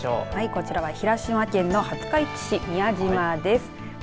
こちらは広島県の廿日市市の宮島です。